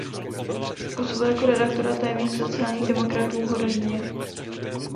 Působil jako redaktor a tajemník sociálních demokratů v Hodoníně.